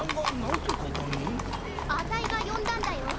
あたいがよんだんだよ。